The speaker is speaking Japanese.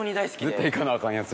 絶対行かなアカンやつ。